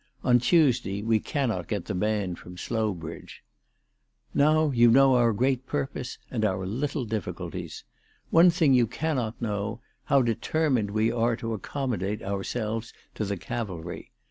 On Tuesday we cannot get the band from Slowbridge. " JSTow you know our great purpose and our little difficulties. One thing you cannot know, how de termined we are to accommodate ourselves to the Cavalry.